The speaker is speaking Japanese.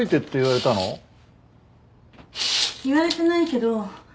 言われてないけど。